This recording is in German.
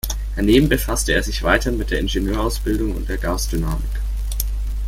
Daneben befasste er sich weiterhin mit der Ingenieurausbildung und der Gasdynamik.